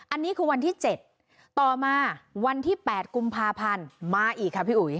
อันนี้คือวันที่๗ต่อมาวันที่๘กุมภาพันธ์มาอีกค่ะพี่อุ๋ย